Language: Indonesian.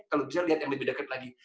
kalau bisa lihat yang lebih dekat lagi